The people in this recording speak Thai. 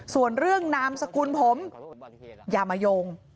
ส่วนเรื่องนามสกุลผมอย่ามาโยง